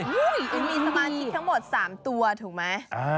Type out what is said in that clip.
อุ้ยอันนี้สมาธิทั้งหมด๓ตัวถูกไหม